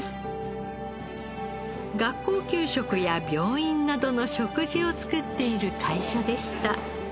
学校給食や病院などの食事を作っている会社でした。